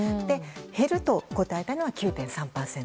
減ると答えたのは９．３％。